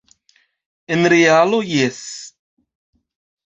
En realo, jes.